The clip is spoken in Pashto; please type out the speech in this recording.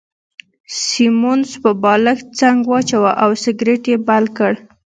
سیمونز پر بالښت څنګ واچاوه او سګرېټ يې بل کړ.